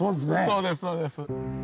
そうですそうです。